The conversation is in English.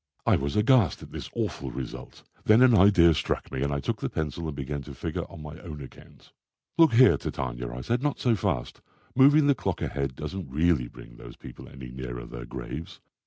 I was aghast at this awful result. Then an idea struck me, and I took the pencil and began to figure on my own account. "Look here, Titania," I said. "Not so fast. Moving the clock ahead doesn't really bring those people any nearer their graves.